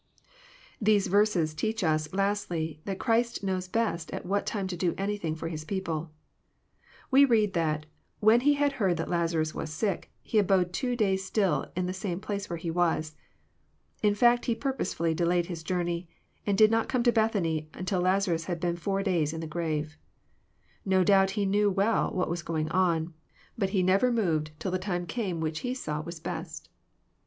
These verses teach us, lastly, that Christ knows best at wlvat time to do anything for His people. We read that ^^ when He had heard that Lazarus was sick, He abode two days still in the same place where He was." In fact. He purposely delayed His journey, and did not come to Beth any till Lazarus had been four days in the grave. No doubt He knew well what was going on ; but He never moved till the time came which He saw was best.